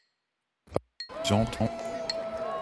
Ses côtes sont parmi les plus exigeantes de Belgique.